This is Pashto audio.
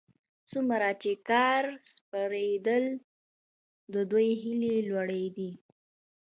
څومره چې کان سپړل کېده د دوی هيلې لوړېدې.